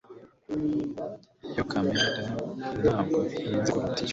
iyi kamera ntabwo ihenze kuruta iyo